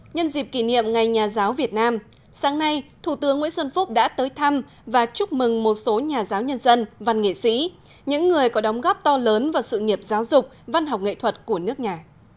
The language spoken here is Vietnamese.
nhân dịp kỷ niệm ngày nhà giáo việt nam sáng nay thủ tướng nguyễn xuân phúc đã tới thăm và chúc mừng một số nhà giáo nhân dân văn nghệ sĩ những người có đóng góp to lớn vào sự nghiệp giáo dục văn học nghệ thuật của nước nhà